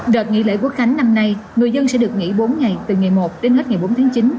đợt nghỉ lễ quốc khánh năm nay người dân sẽ được nghỉ bốn ngày từ ngày một đến hết ngày bốn tháng chín